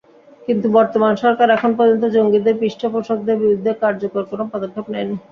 কিন্তু বর্তমান সরকার এখন পর্যন্ত জঙ্গিদের পৃষ্ঠপোষকদের বিরুদ্ধে কার্যকর কোনো পদক্ষেপ নেয়নি।